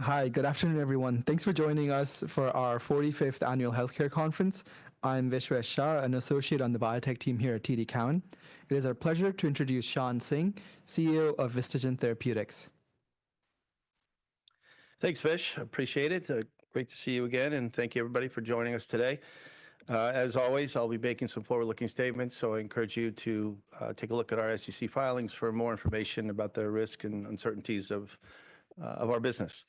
Hi, good afternoon, everyone. Thanks for joining us for our 45th Annual Healthcare Conference. I'm Vishwesh Shah, an associate on the biotech team here at TD Cowen. It is our pleasure to introduce Shawn Singh, CEO of VistaGen Therapeutics. Thanks, Vish. Appreciate it. Great to see you again, and thank you, everybody, for joining us today. As always, I'll be making some forward-looking statements, so I encourage you to take a look at our SEC filings for more information about the risks and uncertainties of our business.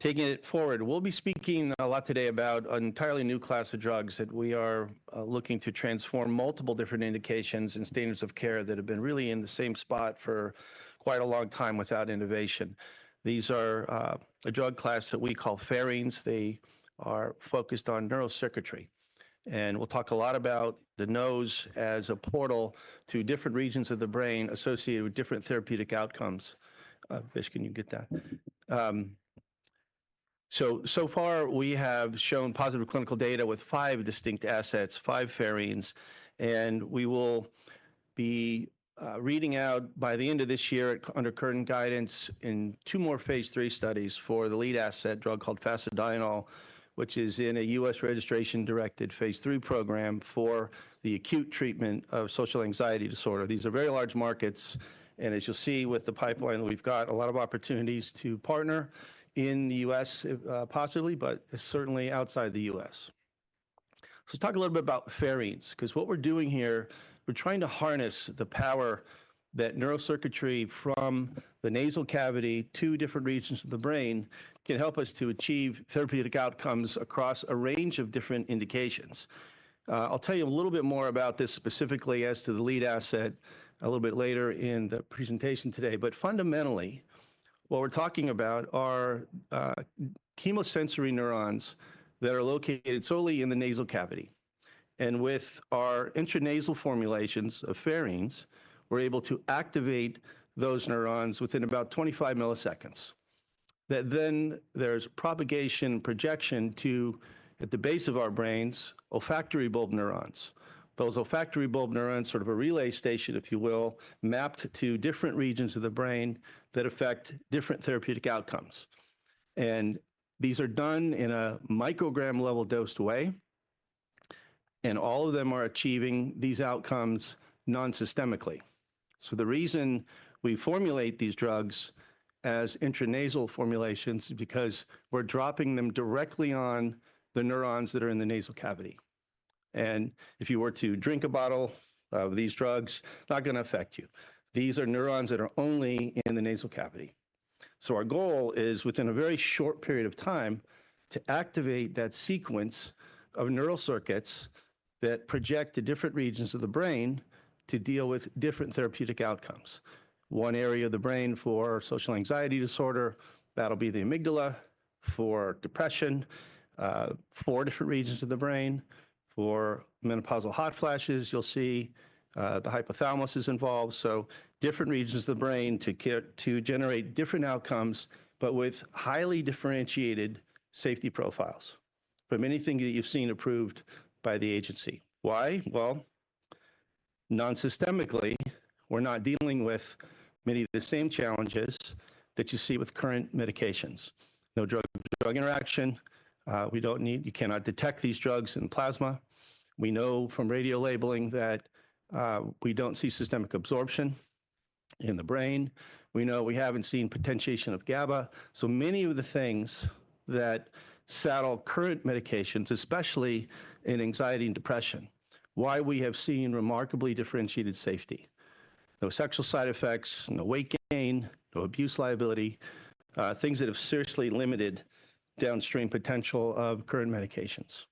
Taking it forward, we'll be speaking a lot today about an entirely new class of drugs that we are looking to transform multiple different indications and standards of care that have been really in the same spot for quite a long time without innovation. These are a drug class that we call pherines. They are focused on neurocircuitry. We'll talk a lot about the nose as a portal to different regions of the brain associated with different therapeutic outcomes. Vish, can you get that? So far, we have shown positive clinical data with five distinct assets, five pherines. We will be reading out, by the end of this year, under current guidance, in two more phase III studies for the lead asset drug called Fasedienol, which is in a U.S. registration-directed phase III program for the acute treatment of social anxiety disorder. These are very large markets. As you'll see with the pipeline that we've got, a lot of opportunities to partner in the U.S., possibly, but certainly outside the U.S. Talk a little bit about pherines, because what we're doing here, we're trying to harness the power that neurocircuitry from the nasal cavity to different regions of the brain can help us to achieve therapeutic outcomes across a range of different indications. I'll tell you a little bit more about this specifically as to the lead asset a little bit later in the presentation today. Fundamentally, what we're talking about are chemosensory neurons that are located solely in the nasal cavity. With our intranasal formulations of pherines, we're able to activate those neurons within about 25 milliseconds. There is propagation and projection to, at the base of our brains, olfactory bulb neurons. Those olfactory bulb neurons are sort of a relay station, if you will, mapped to different regions of the brain that affect different therapeutic outcomes. These are done in a microgram-level dosed way. All of them are achieving these outcomes nonsystemically. The reason we formulate these drugs as intranasal formulations is because we're dropping them directly on the neurons that are in the nasal cavity. If you were to drink a bottle of these drugs, it's not going to affect you. These are neurons that are only in the nasal cavity. Our goal is, within a very short period of time, to activate that sequence of neural circuits that project to different regions of the brain to deal with different therapeutic outcomes. One area of the brain for social anxiety disorder, that'll be the amygdala. For depression, four different regions of the brain. For menopausal hot flashes, you'll see the hypothalamus is involved. Different regions of the brain to generate different outcomes, but with highly differentiated safety profiles from anything that you've seen approved by the agency. Why? Nonsystemically, we're not dealing with many of the same challenges that you see with current medications. No drug-to-drug interaction. We don't need you cannot detect these drugs in plasma. We know from radiolabeling that we don't see systemic absorption in the brain. We know we haven't seen potentiation of GABA. Many of the things that saddle current medications, especially in anxiety and depression, why we have seen remarkably differentiated safety. No sexual side effects, no weight gain, no abuse liability, things that have seriously limited downstream potential of current medications.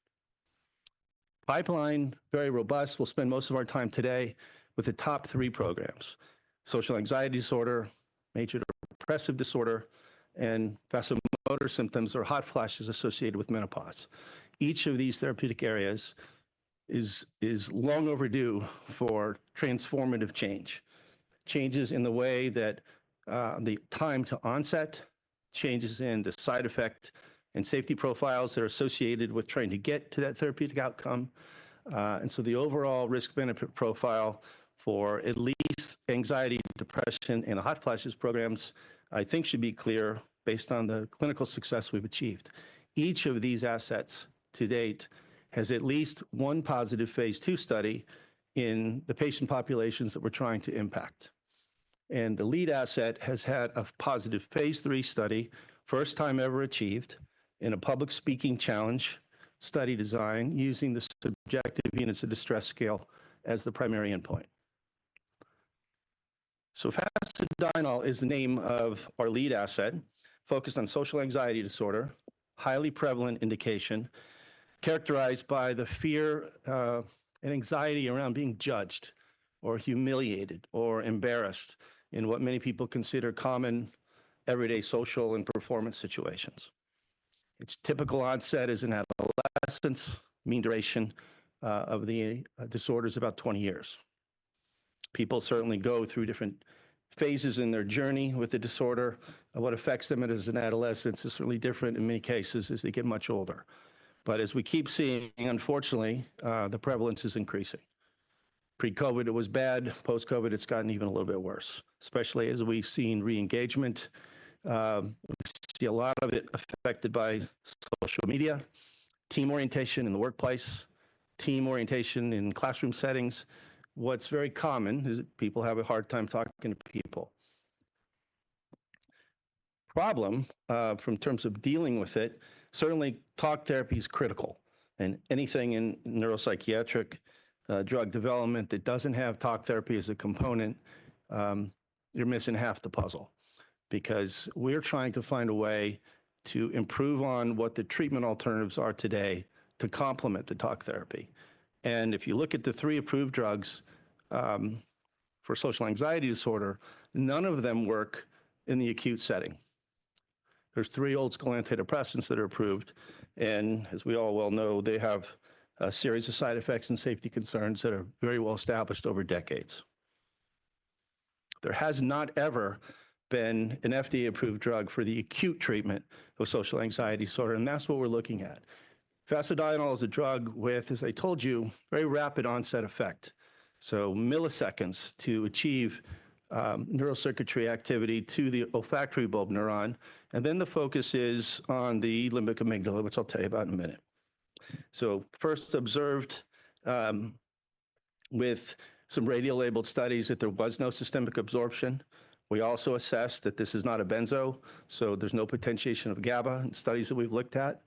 Pipeline, very robust. We'll spend most of our time today with the top three programs: social anxiety disorder, major depressive disorder, and vasomotor symptoms or hot flashes associated with menopause. Each of these therapeutic areas is long overdue for transformative change. Changes in the way that the time to onset, changes in the side effect and safety profiles that are associated with trying to get to that therapeutic outcome. The overall risk-benefit profile for at least anxiety, depression, and hot flashes programs, I think, should be clear based on the clinical success we've achieved. Each of these assets to date has at least one positive phase II study in the patient populations that we're trying to impact. The lead asset has had a positive phase III study, first time ever achieved, in a public speaking challenge study design using the Subjective Units of Distress Scale as the primary endpoint. Fasedienol is the name of our lead asset focused on social anxiety disorder, highly prevalent indication characterized by the fear and anxiety around being judged or humiliated or embarrassed in what many people consider common everyday social and performance situations. Its typical onset is in adolescence. Mean duration of the disorder is about 20 years. People certainly go through different phases in their journey with the disorder. What affects them as an adolescent is certainly different in many cases as they get much older. As we keep seeing, unfortunately, the prevalence is increasing. Pre-COVID, it was bad. Post-COVID, it's gotten even a little bit worse, especially as we've seen re-engagement. We see a lot of it affected by social media, team orientation in the workplace, team orientation in classroom settings. What's very common is people have a hard time talking to people. Problem from terms of dealing with it, certainly talk therapy is critical. Anything in neuropsychiatric drug development that doesn't have talk therapy as a component, you're missing half the puzzle because we're trying to find a way to improve on what the treatment alternatives are today to complement the talk therapy. If you look at the three approved drugs for social anxiety disorder, none of them work in the acute setting. There are three old-school antidepressants that are approved. As we all well know, they have a series of side effects and safety concerns that are very well established over decades. There has not ever been an FDA-approved drug for the acute treatment of social anxiety disorder. That's what we're looking at. Fasedienol is a drug with, as I told you, very rapid onset effect, so milliseconds to achieve neurocircuitry activity to the olfactory bulb neuron. The focus is on the limbic amygdala, which I'll tell you about in a minute. First observed with some radiolabeled studies that there was no systemic absorption. We also assessed that this is not a benzo, so there's no potentiation of GABA in studies that we've looked at.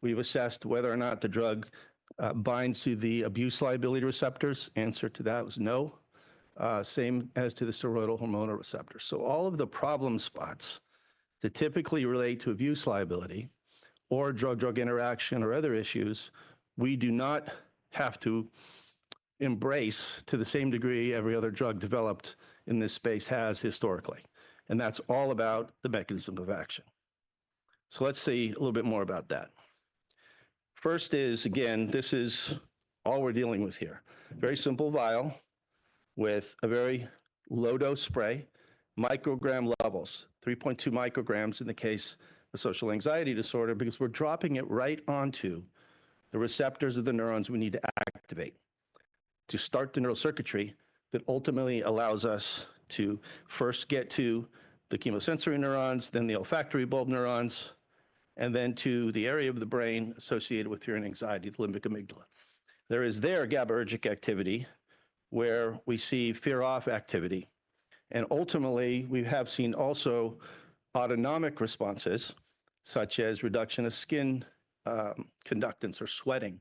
We've assessed whether or not the drug binds to the abuse liability receptors. Answer to that was no, same as to the serotonin hormonal receptor. All of the problem spots that typically relate to abuse liability or drug-drug interaction or other issues, we do not have to embrace to the same degree every other drug developed in this space has historically. That's all about the mechanism of action. Let's see a little bit more about that. First is, again, this is all we're dealing with here. Very simple vial with a very low-dose spray, microgram levels, 3.2 micrograms in the case of social anxiety disorder, because we're dropping it right onto the receptors of the neurons we need to activate to start the neurocircuitry that ultimately allows us to first get to the chemosensory neurons, then the olfactory bulb neurons, and then to the area of the brain associated with fear and anxiety, the limbic amygdala. There is their GABAergic activity where we see fear-off activity. Ultimately, we have seen also autonomic responses such as reduction of skin conductance or sweating,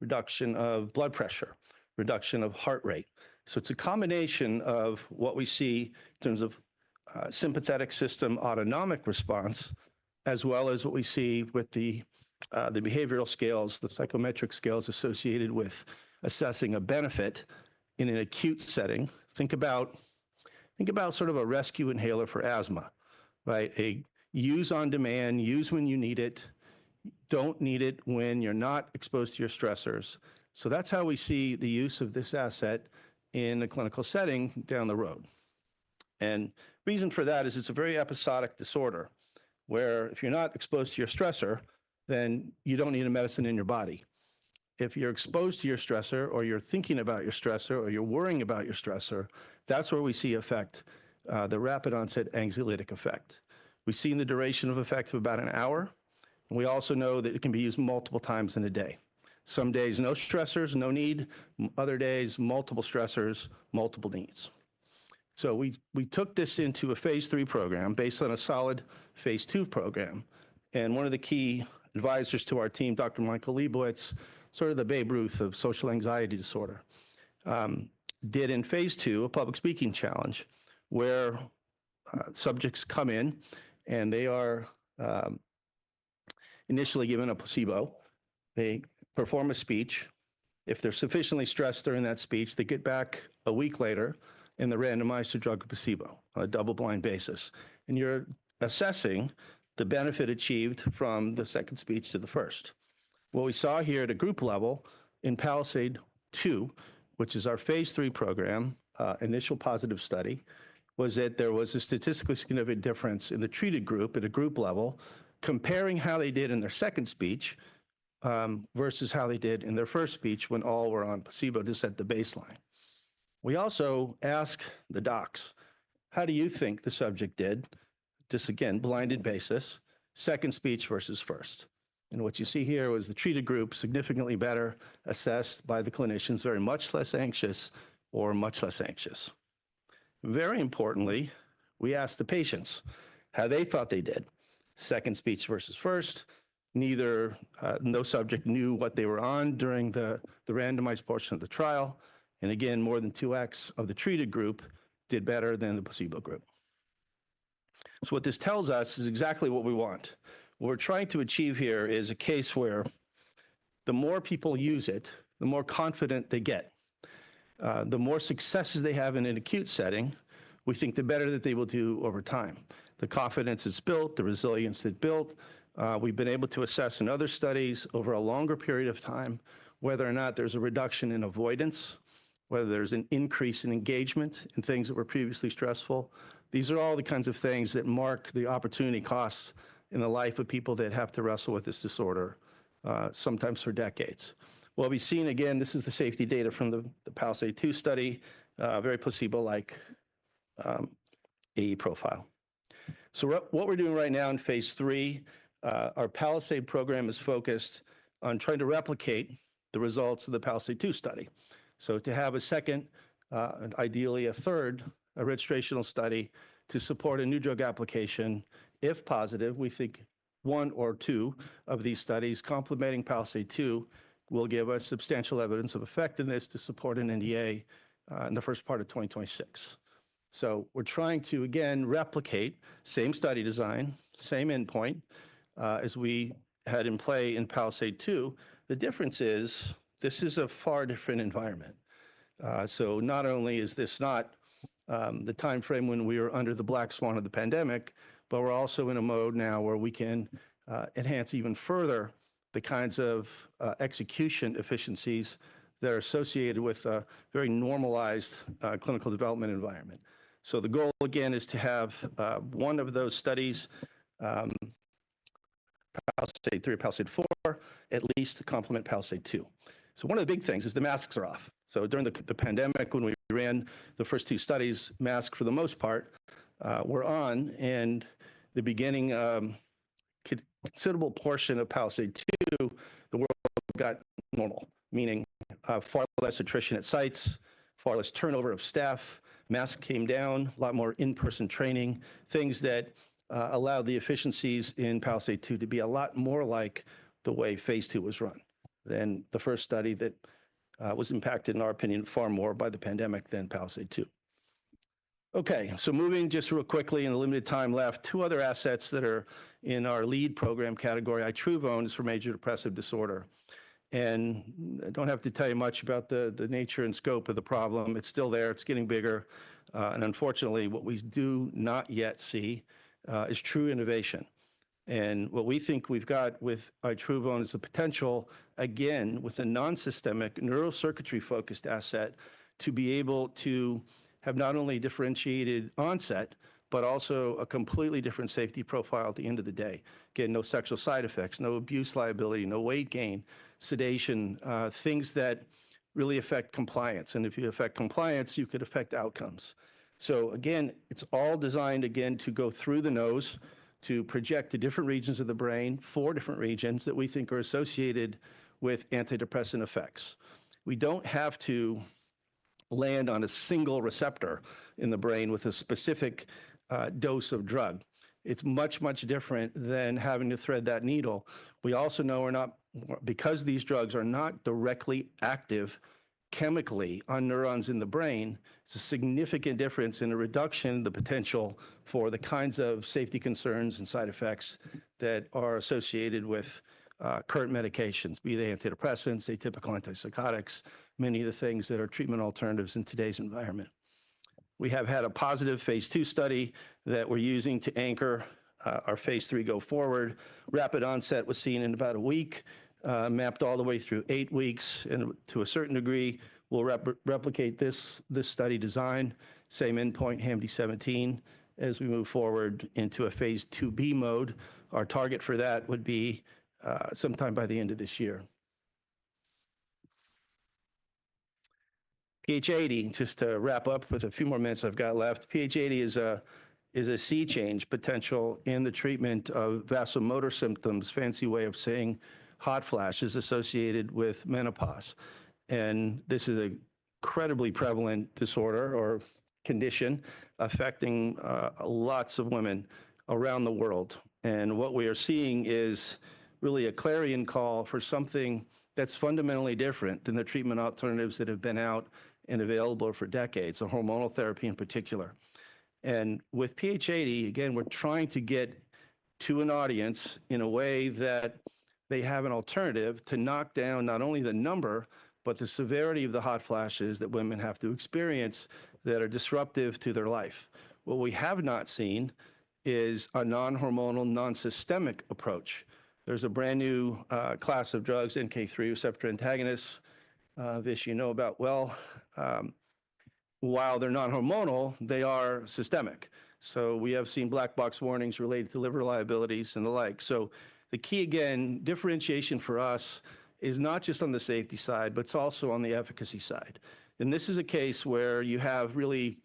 reduction of blood pressure, reduction of heart rate. It is a combination of what we see in terms of sympathetic system autonomic response, as well as what we see with the behavioral scales, the psychometric scales associated with assessing a benefit in an acute setting. Think about sort of a rescue inhaler for asthma, right? Use on demand, use when you need it, do not need it when you are not exposed to your stressors. That is how we see the use of this asset in a clinical setting down the road. The reason for that is it is a very episodic disorder where if you are not exposed to your stressor, then you do not need a medicine in your body. If you're exposed to your stressor or you're thinking about your stressor or you're worrying about your stressor, that's where we see effect, the rapid onset anxiolytic effect. We see the duration of effect of about an hour. We also know that it can be used multiple times in a day. Some days, no stressors, no need. Other days, multiple stressors, multiple needs. We took this into a phase III program based on a solid phase II program. One of the key advisors to our team, Dr. Michael Liebowitz, sort of the Babe Ruth of social anxiety disorder, did in phase II a public speaking challenge where subjects come in and they are initially given a placebo. They perform a speech. If they're sufficiently stressed during that speech, they get back a week later and they're randomized to drug placebo on a double-blind basis. You are assessing the benefit achieved from the second speech to the first. What we saw here at a group level in PALISADE II, which is our phase III program, initial positive study, was that there was a statistically significant difference in the treated group at a group level comparing how they did in their second speech versus how they did in their first speech when all were on placebo just at the baseline. We also asked the docs, how do you think the subject did? This again, blinded basis, second speech versus first. What you see here was the treated group significantly better assessed by the clinicians, very much less anxious or much less anxious. Very importantly, we asked the patients how they thought they did, second speech versus first. No subject knew what they were on during the randomized portion of the trial. Again, more than 2x of the treated group did better than the placebo group. What this tells us is exactly what we want. What we're trying to achieve here is a case where the more people use it, the more confident they get. The more successes they have in an acute setting, we think the better that they will do over time. The confidence that's built, the resilience that's built. We've been able to assess in other studies over a longer period of time whether or not there's a reduction in avoidance, whether there's an increase in engagement in things that were previously stressful. These are all the kinds of things that mark the opportunity costs in the life of people that have to wrestle with this disorder sometimes for decades. What we've seen, again, this is the safety data from the PALSADE II study, very placebo-like AE profile. What we're doing right now in phase III, our PALSADE program is focused on trying to replicate the results of the PALSADE II study. To have a second, ideally a third, a registrational study to support a new drug application, if positive, we think one or two of these studies complementing PALSADE II will give us substantial evidence of effectiveness to support an NDA in the first part of 2026. We're trying to, again, replicate same study design, same endpoint as we had in play in PALSADE II. The difference is this is a far different environment. Not only is this not the time frame when we were under the black swan of the pandemic, but we're also in a mode now where we can enhance even further the kinds of execution efficiencies that are associated with a very normalized clinical development environment. The goal, again, is to have one of those studies, PALISADE III or PALISADE IV, at least complement PALISADE II. One of the big things is the masks are off. During the pandemic, when we ran the first two studies, masks for the most part were on. At the beginning, a considerable portion of PALISADE II, the world got normal, meaning far less attrition at sites, far less turnover of staff, masks came down, a lot more in-person training, things that allowed the efficiencies in PALISADE II to be a lot more like the way phase II was run than the first study that was impacted, in our opinion, far more by the pandemic than PALISADE II. Okay. Moving just real quickly in the limited time left, two other assets that are in our lead program category, Itruvone is for major depressive disorder. I don't have to tell you much about the nature and scope of the problem. It's still there. It's getting bigger. Unfortunately, what we do not yet see is true innovation. What we think we've got with Itruvone is the potential, again, with a non-systemic neurocircuitry-focused asset to be able to have not only differentiated onset, but also a completely different safety profile at the end of the day. Again, no sexual side effects, no abuse liability, no weight gain, sedation, things that really affect compliance. If you affect compliance, you could affect outcomes. It's all designed, again, to go through the nose to project to different regions of the brain, four different regions that we think are associated with antidepressant effects. We don't have to land on a single receptor in the brain with a specific dose of drug. It's much, much different than having to thread that needle. We also know because these drugs are not directly active chemically on neurons in the brain, it's a significant difference in the reduction of the potential for the kinds of safety concerns and side effects that are associated with current medications, be they antidepressants, atypical antipsychotics, many of the things that are treatment alternatives in today's environment. We have had a positive phase II study that we're using to anchor our phase III go forward. Rapid onset was seen in about a week, mapped all the way through eight weeks. To a certain degree, we'll replicate this study design, same endpoint, HAMD17, as we move forward into a phase IIB mode. Our target for that would be sometime by the end of this year. PHADE, just to wrap up with a few more minutes I've got left, PHADE is a sea change potential in the treatment of vasomotor symptoms, fancy way of saying hot flashes associated with menopause. This is an incredibly prevalent disorder or condition affecting lots of women around the world. What we are seeing is really a clarion call for something that's fundamentally different than the treatment alternatives that have been out and available for decades, hormonal therapy in particular. With PHADE, again, we're trying to get to an audience in a way that they have an alternative to knock down not only the number, but the severity of the hot flashes that women have to experience that are disruptive to their life. What we have not seen is a non-hormonal, non-systemic approach. There's a brand new class of drugs, NK3 receptor antagonists. This you know about well. While they're non-hormonal, they are systemic. We have seen black box warnings related to liver liabilities and the like. The key, again, differentiation for us is not just on the safety side, but it's also on the efficacy side. This is a case where you have really,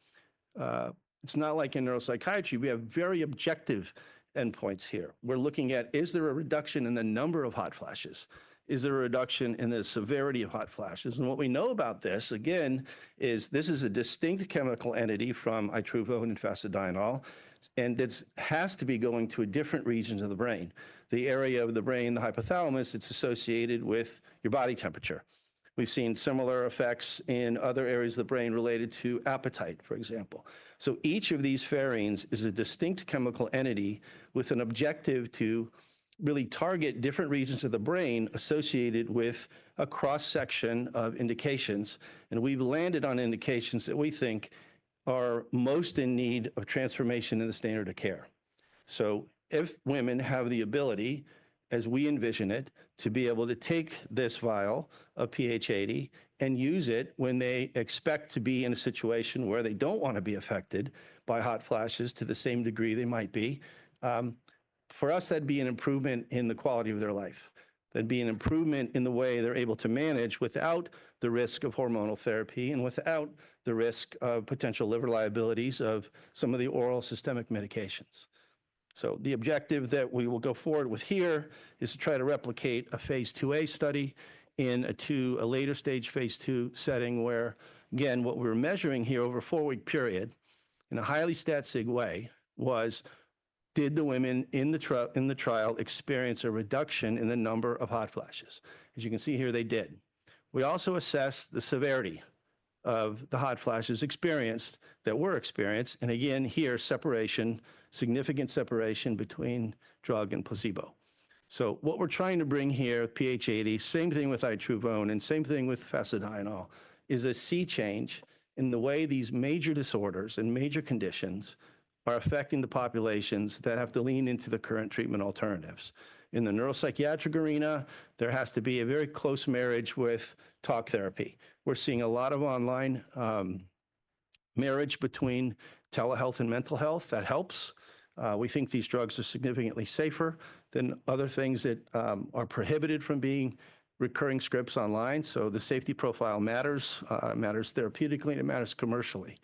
it's not like in neuropsychiatry. We have very objective endpoints here. We're looking at, is there a reduction in the number of hot flashes? Is there a reduction in the severity of hot flashes? What we know about this, again, is this is a distinct chemical entity from Itruvone and Fasedienol, and this has to be going to a different region of the brain, the area of the brain, the hypothalamus. It's associated with your body temperature. We've seen similar effects in other areas of the brain related to appetite, for example. Each of these pherines is a distinct chemical entity with an objective to really target different regions of the brain associated with a cross-section of indications. We've landed on indications that we think are most in need of transformation in the standard of care. If women have the ability, as we envision it, to be able to take this vial of PHADE and use it when they expect to be in a situation where they do not want to be affected by hot flashes to the same degree they might be, for us, that would be an improvement in the quality of their life. That would be an improvement in the way they are able to manage without the risk of hormonal therapy and without the risk of potential liver liabilities of some of the oral systemic medications. The objective that we will go forward with here is to try to replicate a phase IIa study to a later stage phase II setting where, again, what we were measuring here over a four-week period in a highly stat-sig way was, did the women in the trial experience a reduction in the number of hot flashes? As you can see here, they did. We also assessed the severity of the hot flashes experienced that were experienced. Again, here, significant separation between drug and placebo. What we're trying to bring here, PHADE, same thing with Itruvone and same thing with Fasedienol, is a sea change in the way these major disorders and major conditions are affecting the populations that have to lean into the current treatment alternatives. In the neuropsychiatric arena, there has to be a very close marriage with talk therapy. We're seeing a lot of online marriage between telehealth and mental health. That helps. We think these drugs are significantly safer than other things that are prohibited from being recurring scripts online. The safety profile matters. It matters therapeutically. It matters commercially.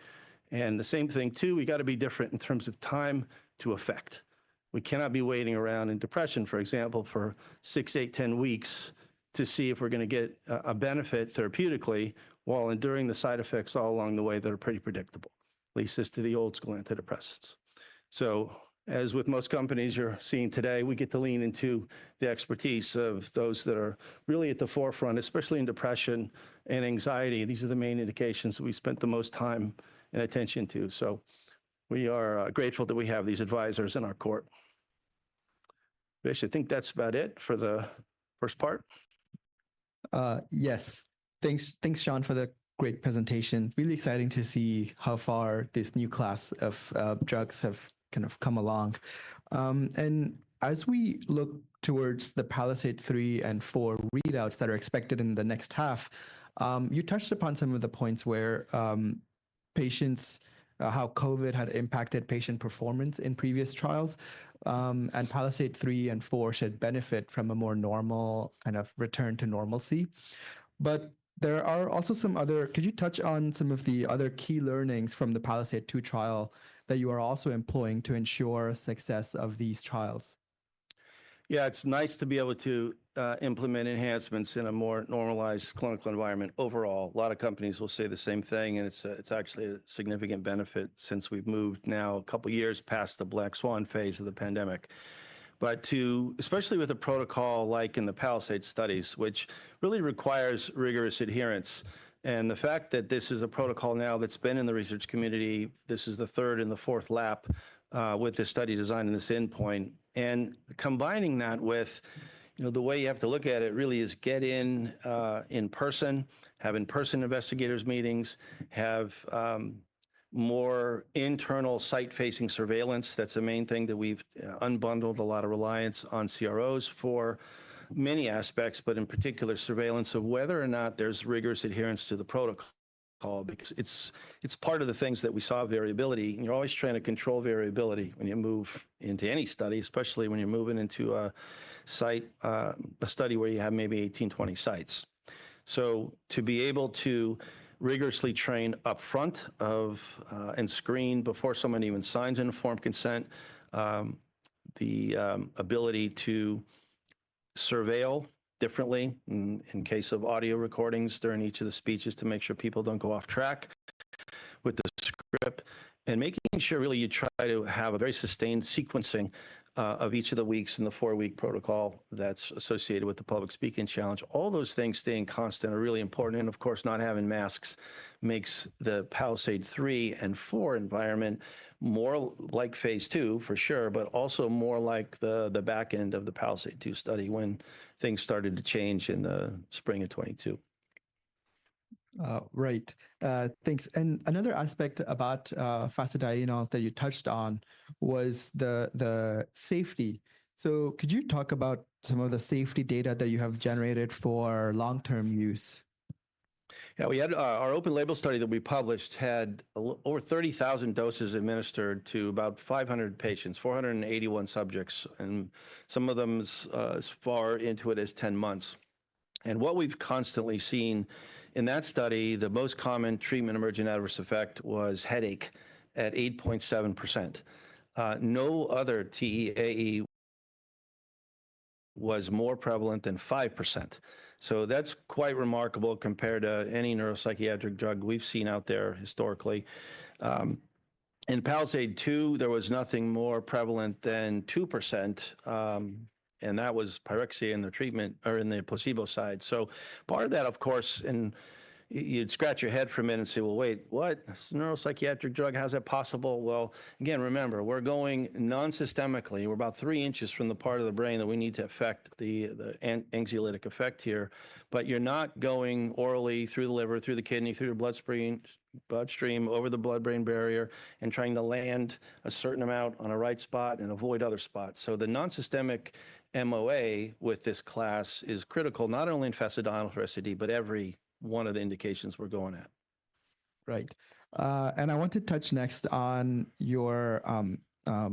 The same thing, too, we got to be different in terms of time to effect. We cannot be waiting around in depression, for example, for six, eight, ten weeks to see if we're going to get a benefit therapeutically while enduring the side effects all along the way that are pretty predictable, at least as to the old-school antidepressants. As with most companies you're seeing today, we get to lean into the expertise of those that are really at the forefront, especially in depression and anxiety. These are the main indications that we spent the most time and attention to. We are grateful that we have these advisors in our court. I should think that's about it for the first part. Yes. Thanks, Shawn, for the great presentation. Really exciting to see how far this new class of drugs have kind of come along. As we look towards the PALSADE III and IV readouts that are expected in the next half, you touched upon some of the points where patients, how COVID had impacted patient performance in previous trials, and PALSADE III and IV should benefit from a more normal kind of return to normalcy. There are also some other—can you touch on some of the other key learnings from the PALSADE II trial that you are also employing to ensure success of these trials? Yeah, it's nice to be able to implement enhancements in a more normalized clinical environment overall.A lot of companies will say the same thing, and it's actually a significant benefit since we've moved now a couple of years past the black swan phase of the pandemic. Especially with a protocol like in the PALISADE studies, which really requires rigorous adherence, and the fact that this is a protocol now that's been in the research community, this is the third and the fourth lap with this study design and this endpoint. Combining that with the way you have to look at it really is get in person, have in-person investigators' meetings, have more internal site-facing surveillance. That's a main thing that we've unbundled a lot of reliance on CROs for many aspects, but in particular, surveillance of whether or not there's rigorous adherence to the protocol because it's part of the things that we saw variability. You're always trying to control variability when you move into any study, especially when you're moving into a study where you have maybe 18, 20 sites. To be able to rigorously train upfront and screen before someone even signs informed consent, the ability to surveil differently in case of audio recordings during each of the speeches to make sure people don't go off track with the script, and making sure really you try to have a very sustained sequencing of each of the weeks in the four-week protocol that's associated with the public speaking challenge. All those things staying constant are really important. Of course, not having masks makes the PALISADE III and IV environment more like phase II, for sure, but also more like the back end of the PALISADE II study when things started to change in the spring of 2022. Right. Thanks. Another aspect about Fasedienol that you touched on was the safety. Could you talk about some of the safety data that you have generated for long-term use? Yeah, we had our open label study that we published had over 30,000 doses administered to about 500 patients, 481 subjects, and some of them as far into it as 10 months. What we've constantly seen in that study, the most common treatment emergent adverse effect was headache at 8.7%. No other TEAE was more prevalent than 5%. That is quite remarkable compared to any neuropsychiatric drug we've seen out there historically. In PALISADE II, there was nothing more prevalent than 2%, and that was pyrexia in the treatment or in the placebo side. Part of that, of course, and you'd scratch your head for a minute and say, wait, what? This neuropsychiatric drug, how's that possible? Again, remember, we're going non-systemically. We're about three inches from the part of the brain that we need to affect the anxiolytic effect here. You're not going orally through the liver, through the kidney, through the bloodstream over the blood-brain barrier and trying to land a certain amount on a right spot and avoid other spots. The non-systemic MOA with this class is critical, not only in Fasedienol for SAD, but every one of the indications we're going at. Right. I want to touch next on your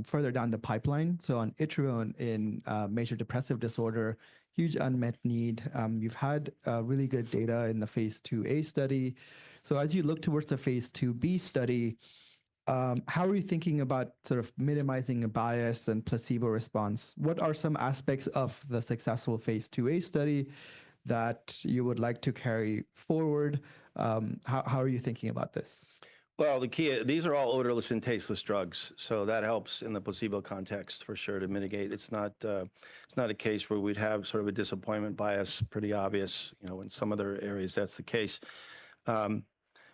further down the pipeline. On Itruvone in major depressive disorder, huge unmet need. You've had really good data in the phase IIA study. As you look towards the phase IIB study, how are you thinking about sort of minimizing bias and placebo response? What are some aspects of the successful phase IIA study that you would like to carry forward? How are you thinking about this? The key, these are all odorless and tasteless drugs. That helps in the placebo context, for sure, to mitigate. It's not a case where we'd have sort of a disappointment bias, pretty obvious. In some other areas, that's the case.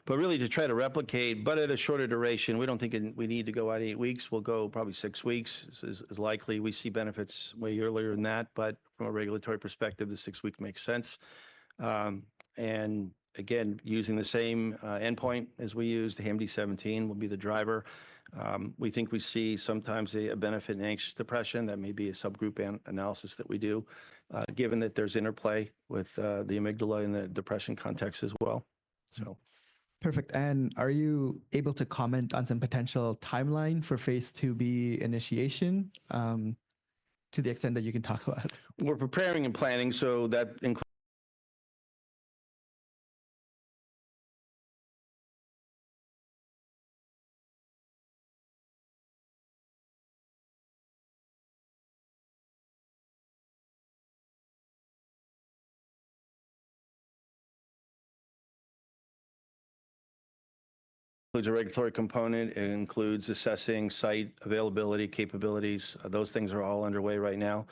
Really, to try to replicate, but at a shorter duration, we don't think we need to go out eight weeks. We'll go probably six weeks, is likely. We see benefits way earlier than that. From a regulatory perspective, the six-week makes sense. Again, using the same endpoint as we used, HAMD17 will be the driver. We think we see sometimes a benefit in anxious depression. That may be a subgroup analysis that we do, given that there's interplay with the amygdala in the depression context as well. Perfect. Are you able to comment on some potential timeline for phase IIB initiation to the extent that you can talk about? We're preparing and planning. That includes a regulatory component. It includes assessing site availability, capabilities. Those things are all underway right now.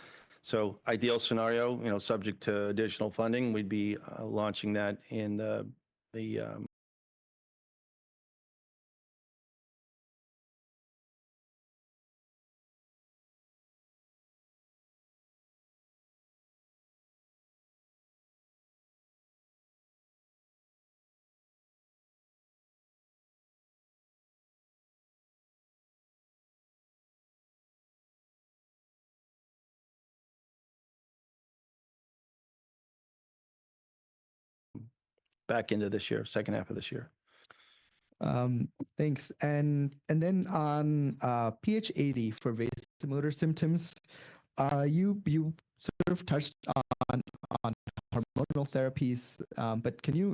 Ideal scenario, subject to additional funding, we'd be launching that in the back end of this year, second half of this year. Thanks. On PHADE for vasomotor symptoms, you sort of touched on hormonal therapies, but can you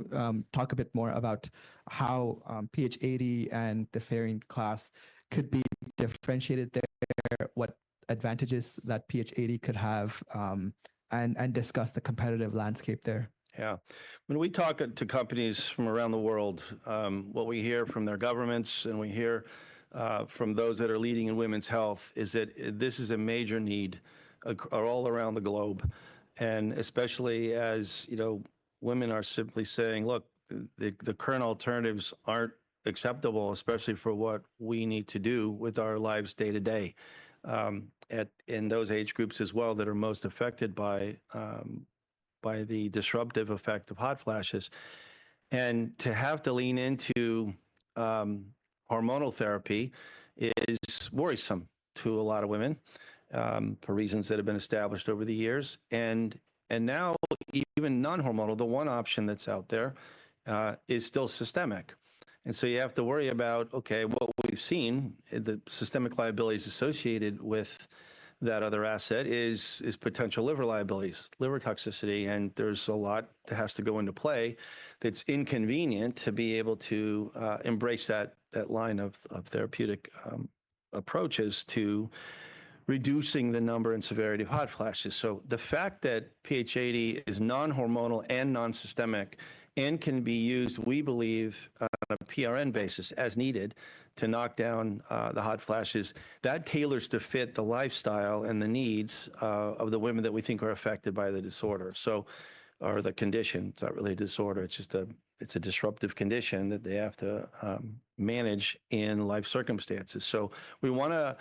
talk a bit more about how PHADE and the pherine class could be differentiated there, what advantages that PHADE could have, and discuss the competitive landscape there? Yeah. When we talk to companies from around the world, what we hear from their governments and we hear from those that are leading in women's health is that this is a major need all around the globe. Especially as women are simply saying, look, the current alternatives aren't acceptable, especially for what we need to do with our lives day to day in those age groups as well that are most affected by the disruptive effect of hot flashes. To have to lean into hormonal therapy is worrisome to a lot of women for reasons that have been established over the years. Now, even non-hormonal, the one option that's out there is still systemic. You have to worry about, okay, what we've seen, the systemic liabilities associated with that other asset is potential liver liabilities, liver toxicity. There is a lot that has to go into play. It's inconvenient to be able to embrace that line of therapeutic approaches to reducing the number and severity of hot flashes. The fact that PHADE is non-hormonal and non-systemic and can be used, we believe, on a PRN basis as needed to knock down the hot flashes, that tailors to fit the lifestyle and the needs of the women that we think are affected by the disorder or the condition. It's not really a disorder. It's a disruptive condition that they have to manage in life circumstances. We want to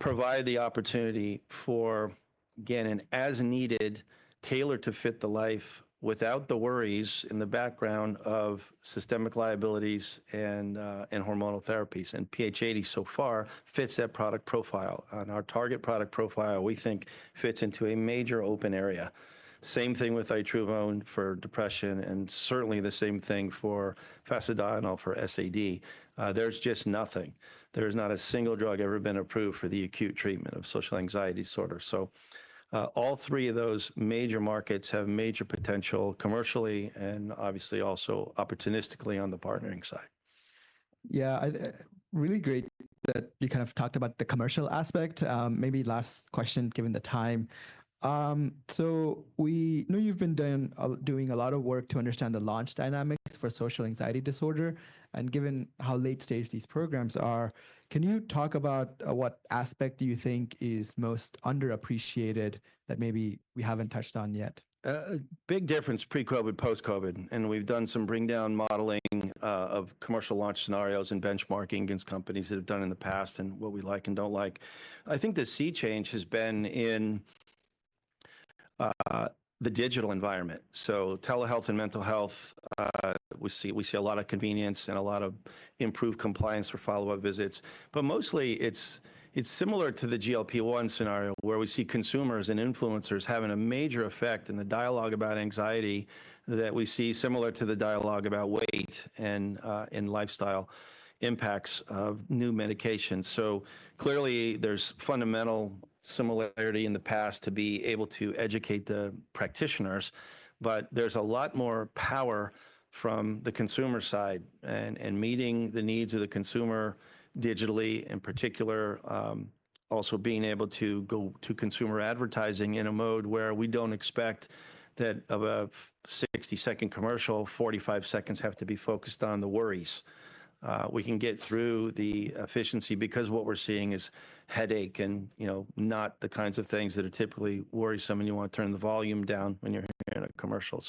provide the opportunity for, again, an as-needed, tailored to fit the life without the worries in the background of systemic liabilities and hormonal therapies. PHADE so far fits that product profile. Our target product profile, we think, fits into a major open area. Same thing with Itruvone for depression and certainly the same thing for Fasedienol for SAD. There's just nothing. There has not a single drug ever been approved for the acute treatment of social anxiety disorder. All three of those major markets have major potential commercially and obviously also opportunistically on the partnering side. Yeah, really great that you kind of talked about the commercial aspect. Maybe last question given the time. We know you've been doing a lot of work to understand the launch dynamics for social anxiety disorder. Given how late-stage these programs are, can you talk about what aspect you think is most underappreciated that maybe we haven't touched on yet? Big difference pre-COVID, post-COVID. We've done some bring-down modeling of commercial launch scenarios and benchmarking against companies that have done it in the past and what we like and don't like.I think the sea change has been in the digital environment. Telehealth and mental health, we see a lot of convenience and a lot of improved compliance for follow-up visits. Mostly, it's similar to the GLP-1 scenario where we see consumers and influencers having a major effect in the dialogue about anxiety that we see similar to the dialogue about weight and lifestyle impacts of new medications. Clearly, there's fundamental similarity in the past to be able to educate the practitioners. There's a lot more power from the consumer side and meeting the needs of the consumer digitally, in particular, also being able to go to consumer advertising in a mode where we don't expect that of a 60-second commercial, 45 seconds have to be focused on the worries. We can get through the efficiency because what we're seeing is headache and not the kinds of things that are typically worrisome and you want to turn the volume down when you're hearing a commercial.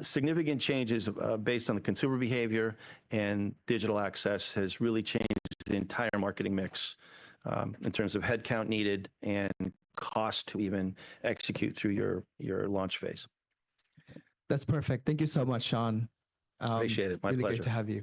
Significant changes based on the consumer behavior and digital access has really changed the entire marketing mix in terms of headcount needed and cost to even execute through your launch phase. That's perfect. Thank you so much, Shawn. Appreciate it. My pleasure.